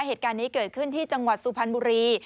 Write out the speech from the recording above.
เหตุการณ์นี้เกิดขึ้นที่จังหวัดสุพรรณบุรี